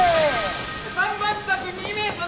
３番卓２名様！